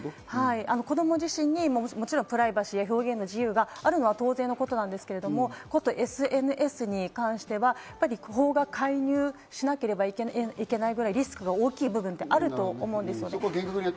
子供自身にプライバシーや表現の自由があるのは当然のことなんですが、ことＳＮＳに関しては、法が介入しなければいけないくらいリスクが大きい部分があると思います。